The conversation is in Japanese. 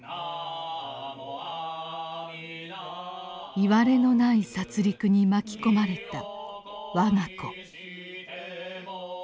いわれのない殺りくに巻き込まれた我が子。